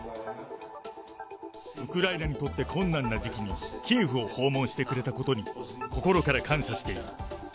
ウクライナにとって困難な時期に、キエフを訪問してくれたことに、心から感謝している。